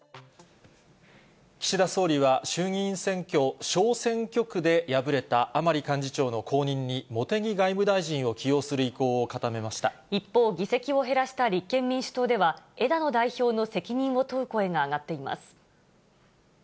岸田総理は衆議院選挙小選挙区で敗れた甘利幹事長の後任に、茂木外務大臣を起用する意向を固一方、議席を減らした立憲民主党では、枝野代表の責任を問う声が上がっています。